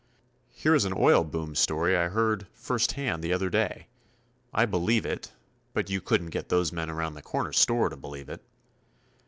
Here is an oil boom story I heard first hand the other day. I believe it, but you couldn't get those men around the corner store to believe it